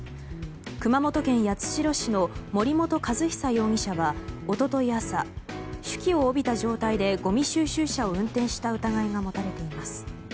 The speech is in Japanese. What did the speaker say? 熊本県八代市の森本和久容疑者は一昨日朝、酒気を帯びた状態でごみ収集車を運転した疑いが持たれています。